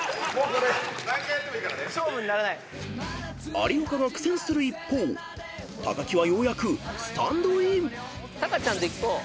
［有岡が苦戦する一方木はようやくスタンドイン］タカちゃんできそう。